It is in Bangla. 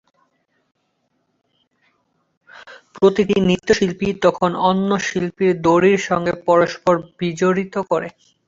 প্রতিটি নৃত্যশিল্পী তখন অন্য শিল্পীর দড়ির সঙ্গে পরস্পর বিজড়িত করে।